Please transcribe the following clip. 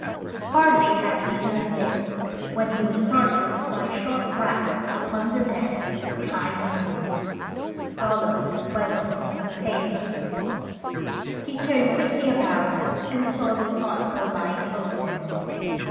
Hardly had he done this when he was startled by a sharp rap upon the desk behind him, followed by a rustling of paper. He turned quickly about and saw the quarto lying open.